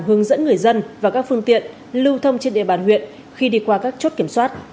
hướng dẫn người dân và các phương tiện lưu thông trên địa bàn huyện khi đi qua các chốt kiểm soát